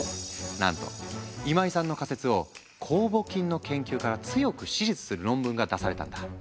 なんと今井さんの仮説を酵母菌の研究から強く支持する論文が出されたんだ。